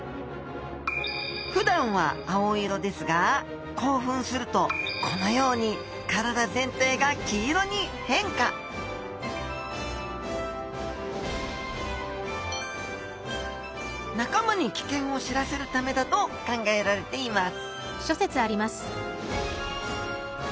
ふだんは青色ですが興奮するとこのように体全体が黄色に変化仲間に危険を知らせるためだと考えられています